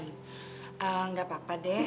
eee gak apa apa deh